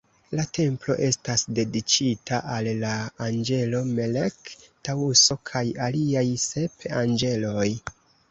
La templo estas dediĉita al la anĝelo Melek-Taŭso kaj aliaj sep anĝeloj.